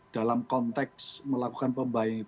dalam konteks melakukan perbaikan secara internal dunia